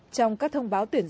trong các thông báo tuyển dụng